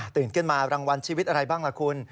ตื่นขึ้นมารางวัลชีวิตอะไรบ้างล่ะคุณ